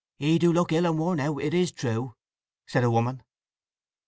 "He do look ill and worn out, it is true!" said a woman.